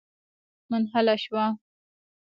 منحله شوه.